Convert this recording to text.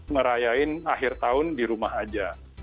merayakan akhir tahun di rumah aja